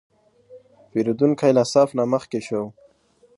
پیرودونکی له صف نه مخکې شو.